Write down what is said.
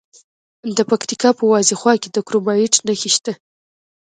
د پکتیکا په وازیخوا کې د کرومایټ نښې شته.